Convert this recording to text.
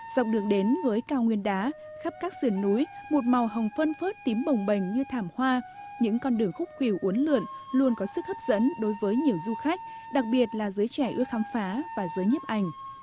dọc đường đến với cao nguyên đá khắp các sườn núi một màu hồng phân phớt tím bồng bềnh như thảm hoa những con đường khúc khỉuốn lượn luôn có sức hấp dẫn đối với nhiều du khách đặc biệt là giới trẻ ưa khám phá và giới nhiếp ảnh